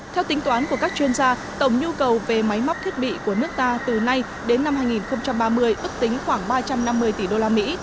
theo tính toán của các chuyên gia tổng nhu cầu về máy móc thiết bị của nước ta từ nay đến năm hai nghìn ba mươi ước tính khoảng ba trăm năm mươi tỷ đô la mỹ